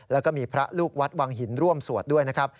แล้วก็มีพระลูกวัดวังหินร่วมสวดด้วยนะครับ